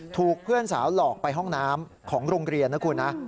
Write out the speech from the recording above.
ถูกเพื่อนสาวหลอกไปห้องน้ำของโรงเรียนนะคุณนะ